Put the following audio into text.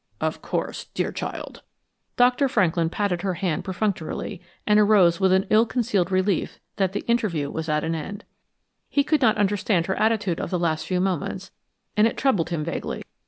"Of course, dear child." Dr. Franklin patted her hand perfunctorily and arose with ill concealed relief that the interview was at an end. He could not understand her attitude of the last few moments and it troubled him vaguely.